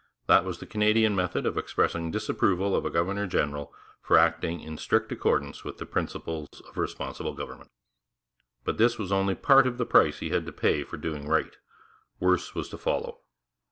That was the Canadian method of expressing disapproval of a governor general for acting in strict accordance with the principles of responsible government. But this was only part of the price he had to pay for doing right. Worse was to follow.